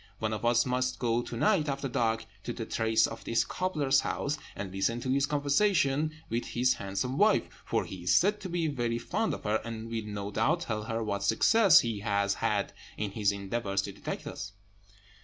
One of us must go to night, after dark, to the terrace of this cobbler's house, and listen to his conversation with his handsome wife; for he is said to be very fond of her, and will, no doubt, tell her what success he has had in his endeavours to detect us."